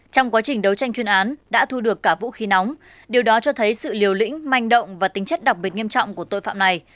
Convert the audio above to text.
trong quá trình đấu tranh chuyên án đã thu được cả vũ khí nóng điều đó cho thấy sự liều lĩnh manh động và tính chất đặc biệt nghiêm trọng của tội phạm này